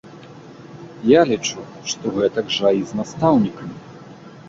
Я лічу, што гэтак жа і з настаўнікамі.